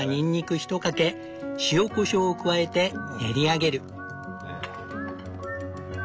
１かけ塩・こしょうを加えて練り上げる。